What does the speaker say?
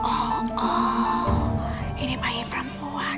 oh ini bayi perempuan